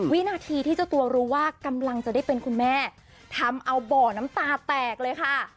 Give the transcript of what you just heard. วินาทีที่เจ้าตัวรู้ว่ากำลังจะได้เป็นคุณแม่ทำเอาบ่อน้ำตาแตกเลยค่ะ